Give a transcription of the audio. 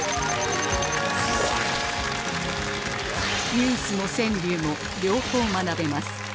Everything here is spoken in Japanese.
ニュースも川柳も両方学べます